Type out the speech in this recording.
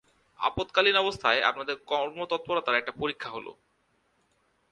আপদকালীন অবস্থায় আপনাদের কর্মতৎপরতার একটা পরীক্ষা হলো।